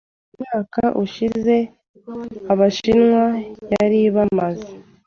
umwaka ushize Abashinwa yaribamaze